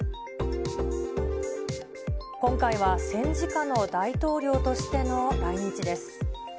今回は戦時下の大統領としての来日です。